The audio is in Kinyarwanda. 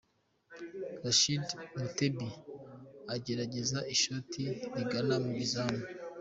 Rachid Mutebi agerageza ishoti rigana mu izamu.